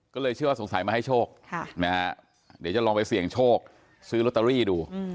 ก็เลยเชื่อว่าสงสัยมาให้โชคเดี๋ยวจะลองไปเสี่ยงโชคซื้อลอตเตอรี่ดู